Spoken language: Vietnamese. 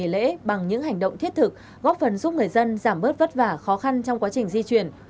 lễ bằng những hành động thiết thực góp phần giúp người dân giảm bớt vất vả khó khăn trong quá trình di chuyển